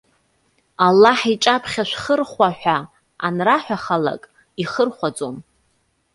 Аллаҳ иҿаԥха шәхырхәа!- ҳәа анраҳәахалак, ихырхәаӡом.